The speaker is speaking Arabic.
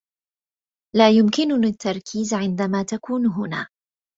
لا يمكنني التركيز عندما تكون هنا.